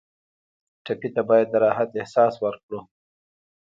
ټپي ته باید د راحت احساس ورکړو.